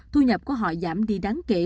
thu nhập của họ giảm đi đáng kể